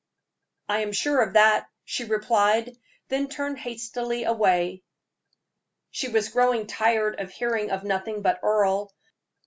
"I am sure of that," she replied, then turned hastily away. She was growing tired of hearing of nothing but Earle.